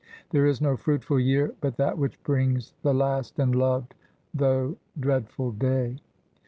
There is no fruitful year but that which brings The last and loved, though dreadful Day.